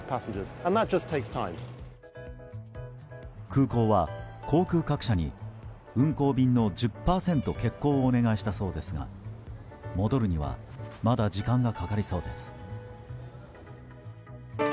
空港は航空各社に運航便の１０％欠航をお願いしたそうですが、戻るにはまだ時間がかかりそうです。